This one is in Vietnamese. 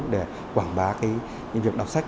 để quảng bá những việc đọc sách